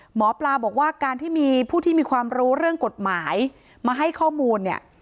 หมอปลาบอกว่าการที่มีผู้ที่มีความรู้เรื่องกฎหมายมาให้ข้อมูลเนี่ย